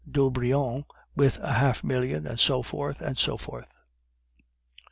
d'Aubrion) with half a million, and so forth, and so forth.